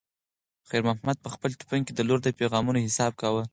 خیر محمد په خپل تلیفون کې د لور د پیغامونو حساب کاوه.